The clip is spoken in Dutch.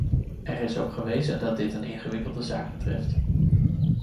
Er is op gewezen dat dit een ingewikkelde zaak betreft.